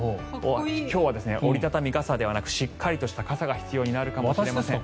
今日は折り畳み傘ではなくしっかりとした傘が必要になるかもしれません。